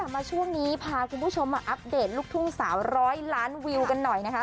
มาช่วงนี้พาคุณผู้ชมมาอัปเดตลูกทุ่งสาวร้อยล้านวิวกันหน่อยนะคะ